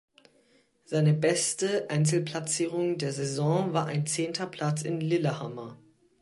Seine beste Einzelplatzierung der Saison war ein zehnter Platz in Lillehammer.